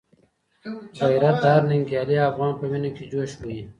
غیرت د هر ننګیالي افغان په وینه کي جوش وهي.